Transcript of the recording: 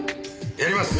やります！